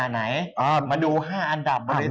ใช่มาดู๕อันดับบริษัท